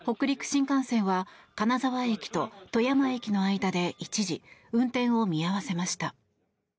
新幹線は金沢駅と富山駅の間で一時運転を見合わせました。